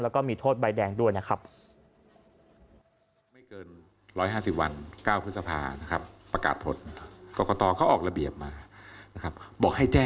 แล้วก็มีโทษใบแดงด้วยนะครับ